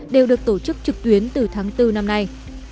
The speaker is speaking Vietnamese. đều được tổ chức trực tuyến từ tháng bốn năm nay